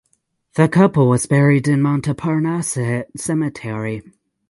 The couple was buried in Montparnasse Cemetery.